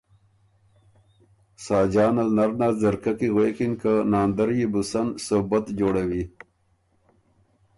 ساجان ال نر نر ځرکۀ کی غوېکِن که ناندر يې بو سن صوبت جوړَوی